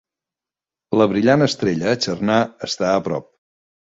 La brillant estrella Achernar està a prop.